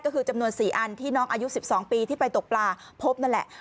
ก็คือจำนวน๔อันที่น้องอายุ๑๒ปีที่ไปตกปลาพบนั่นแหละ